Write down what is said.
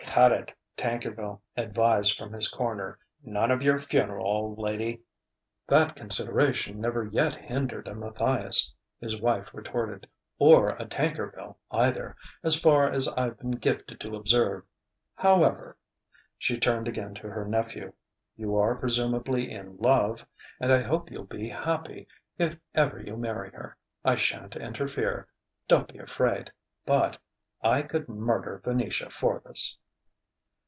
"Cut it," Tankerville advised from his corner. "None of your funeral, old lady." "That consideration never yet hindered a Matthias," his wife retorted "or a Tankerville, either, as far as I've been gifted to observe. However" she turned again to her nephew "you are presumably in love, and I hope you'll be happy, if ever you marry her. I shan't interfere don't be afraid but ... I could murder Venetia for this!"